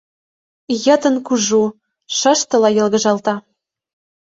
Йытын кужу, шыштыла йылгыжалта.